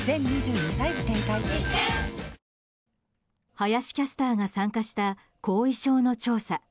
林キャスターが参加した後遺症の調査。